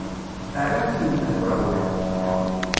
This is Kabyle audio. Rran-tent deg uɛewwiq.